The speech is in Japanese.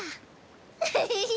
ウフフフ。